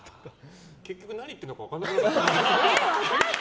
結局、何言ってるのか分かんなかった。